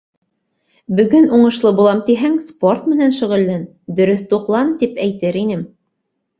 Бөгөн уңышлы булам тиһәң, спорт менән шөғөллән, дөрөҫ туҡлан, тип тә әйтер инем.